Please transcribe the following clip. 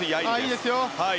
いいですよ！